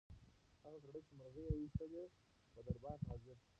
هغه سړی چې مرغۍ یې ویشتلې وه دربار ته حاضر شو.